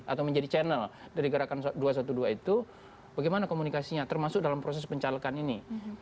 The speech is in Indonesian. atau menjadi channel dari gerakan dua ratus dua belas itu bagaimana komunikasinya termasuk dalam proses pencalekan ini